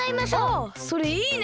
あっそれいいね。